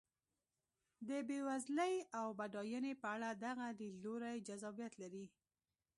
د بېوزلۍ او بډاینې په اړه دغه لیدلوری جذابیت لري.